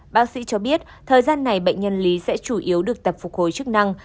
bác sĩ cho biết thời gian này bệnh nhân lý sẽ chủ yếu được tập phục hồi chức năng